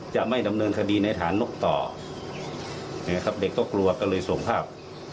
จะไม่ดำเนินคดีในฐานนกต่อนะครับเด็กก็กลัวก็เลยส่งภาพ